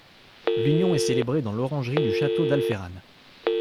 L'union est célébré dans l'orangerie du château d'Alphéran.